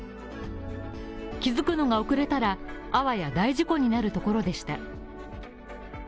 気づくのが遅れたらあわや、大事故になるところでした。